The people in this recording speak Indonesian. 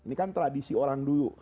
ini kan tradisi orang dulu